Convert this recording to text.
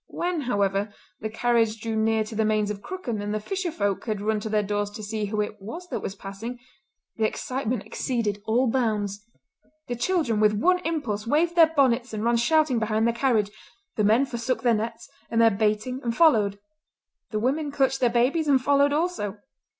When, however, the carriage drew near the Mains of Crooken and the fisher folk had run to their doors to see who it was that was passing, the excitement exceeded all bounds. The children with one impulse waved their bonnets and ran shouting behind the carriage; the men forsook their nets and their baiting and followed; the women clutched their babies, and followed also.